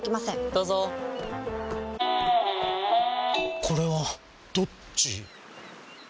どうぞこれはどっち？